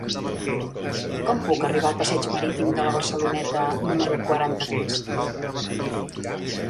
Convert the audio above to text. Com puc arribar al passeig Marítim de la Barceloneta número quaranta-tres?